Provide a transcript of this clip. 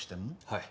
はい。